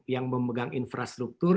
yang memegang infrastruktur